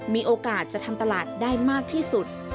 มีโอกาสจะทำตลาดได้มากที่สุด